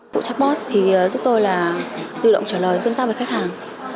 vụ chatbot thì giúp tôi là tự động trả lời tương tác với khách hàng